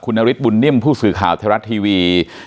คุณนาริสบุญนิ่มผู้สื่อข่าวทะเลดรัฐทีวี